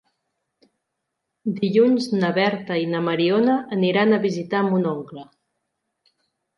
Dilluns na Berta i na Mariona aniran a visitar mon oncle.